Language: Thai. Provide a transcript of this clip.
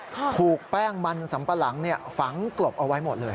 ถูกแป้งมันสัมปะหลังฝังกลบเอาไว้หมดเลย